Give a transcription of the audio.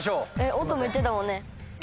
おとも言ってたもんね。